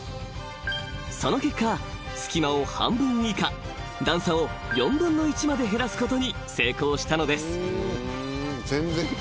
［その結果隙間を半分以下段差を４分の１まで減らすことに成功したのです］